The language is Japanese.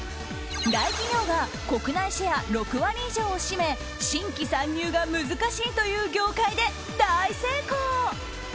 大企業が国内シェア６割以上を占め新規参入が難しいという業界で大成功。